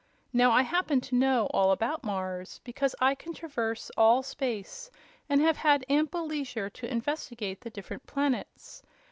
Now I happen to know all about Mars, because I can traverse all space and have had ample leisure to investigate the different planets.